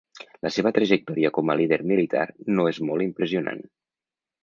La seva trajectòria com a líder militar no és molt impressionant.